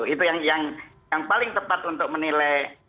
itu yang paling tepat untuk menilai